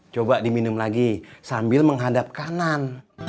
coba diminum lagi sambil menghadap kanan